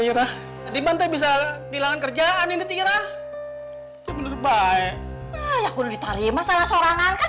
tira dimantai bisa bilangan kerjaan ini tira bener baik ya kudu ditarima salah sorangan kan